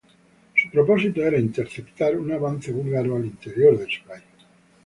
Su propósito era interceptar un avance búlgaro al interior de su país.